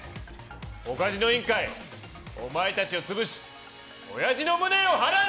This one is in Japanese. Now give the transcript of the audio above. ポカジノ委員会、お前たちを潰し親父の無念を晴らす！